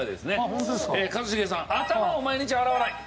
一茂さん頭を毎日洗わない。